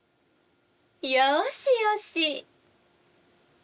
「よしよし」